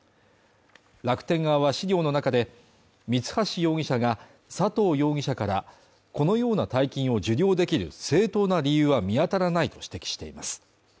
楽天側は資料の中で、三橋容疑者が佐藤容疑者からこのような大金を受領できる正当な理由は見当たらないと指摘しています。